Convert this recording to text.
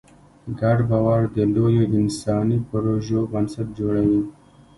ګډ باور د لویو انساني پروژو بنسټ جوړوي.